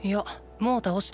もう倒した。